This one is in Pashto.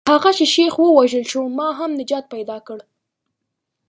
تر هغه چې شیخ ووژل شو ما هم نجات پیدا کړ.